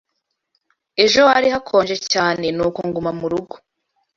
Ejo hari hakonje cyane, nuko nguma murugo.